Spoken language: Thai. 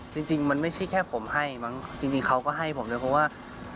จริงมันไม่ใช่แค่ผมให้มั้งจริงเขาก็ให้ผมด้วยเพราะว่า